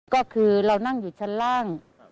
ก็คือเรานั่งอยู่ชั้นล่าง